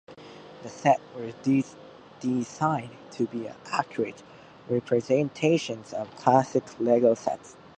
The sets were designed to be accurate representations of classic Lego sets.